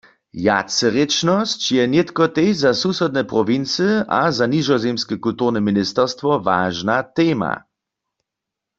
Wjacerěčnosć je nětko tež za susodne prowincy a za nižozemske kulturne ministerstwo wažna tema.